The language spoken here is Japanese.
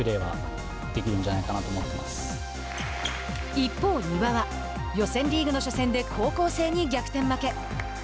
一方、丹羽は予選リーグの初戦で高校生に逆転負け。